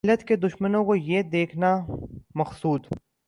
ملت کے دشمنوں کو ھے یہ دیکھنا مقصود